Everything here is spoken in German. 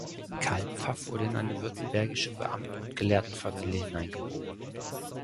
Karl Pfaff wurde in eine württembergische Beamten- und Gelehrtenfamilie hineingeboren.